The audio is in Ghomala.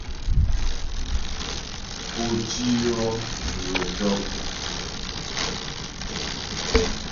Pǒ tî yɔ́ hə̀ tɔ́' ?